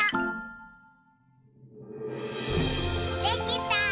できた！